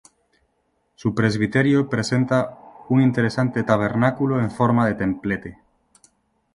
Su presbiterio presenta un interesante tabernáculo en forma de templete.